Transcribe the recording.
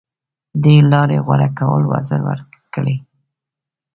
دې لارې غوره کول وزر ورکړي